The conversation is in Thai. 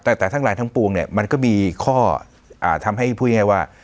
แต่แต่ทั้งรายทั้งปวงเนี่ยมันก็มีข้ออ่าทำให้พูดอย่างเงี้ยว่า